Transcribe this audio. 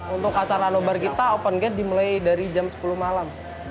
untuk acara nobar kita open gate dimulai dari jam sepuluh malam